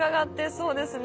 そうですね。